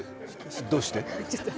どうして？